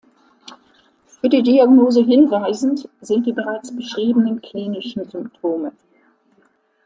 Für die Diagnose hinweisend sind die bereits beschriebenen klinischen Symptome.